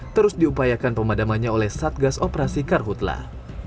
terus diupayakan pemadamannya oleh satgas operasi karhutlah